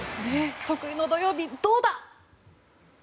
得意の土曜日、どうだ？